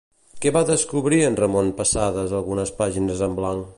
Què va descobrir en Ramon passades algunes pàgines en blanc?